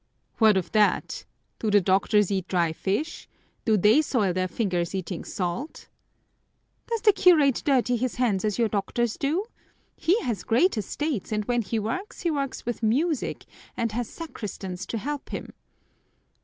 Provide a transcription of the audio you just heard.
'" "What of that? Do the doctors eat dried fish? Do they soil their fingers eating salt?" "Does the curate dirty his hands as your doctors do? He has great estates and when he works he works with music and has sacristans to help him."